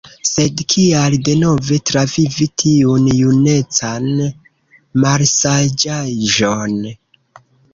Sed kial denove travivi tiun junecan malsaĝaĵon?